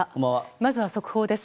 まずは速報です。